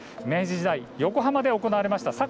明治時代、横浜で行われました